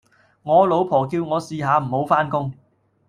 我老婆叫我試下唔好返工